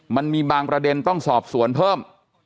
มันมีบางประเด็นต้องสอบสวนเพิ่ม